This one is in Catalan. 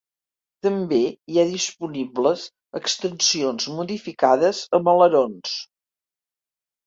També hi ha disponibles extensions modificades amb alerons.